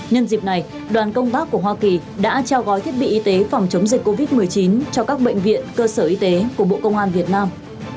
nhân dịp này đoàn công tác của hoa kỳ đã trao gói thiết bị y tế phòng chống dịch covid một mươi chín cho các bệnh viện cơ sở y tế của bộ công an việt nam